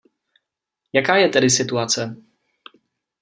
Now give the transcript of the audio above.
Jaká je tedy situace?